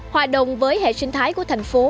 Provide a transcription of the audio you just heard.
hòa đồng với hệ sinh thái của thành phố